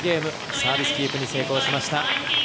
サービスキープに成功しました。